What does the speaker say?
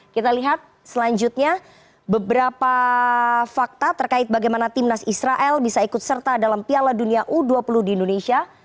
kita lihat selanjutnya beberapa fakta terkait bagaimana timnas israel bisa ikut serta dalam piala dunia u dua puluh di indonesia